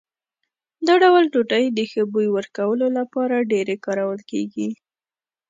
دا ډول ډوډۍ د ښه بوی ورکولو لپاره ډېرې کارول کېږي.